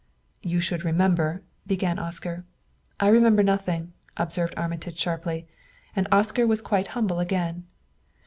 "You should remember " began Oscar. "I remember nothing," observed Armitage sharply; and Oscar was quite humble again.